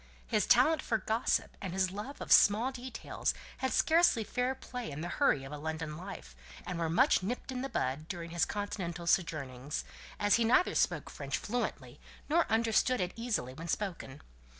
His talent for gossip and his love of small details had scarcely fair play in the hurry of a London life, and were much nipped in the bud during his Continental sojournings, as he neither spoke French fluently, nor understood it easily when spoken.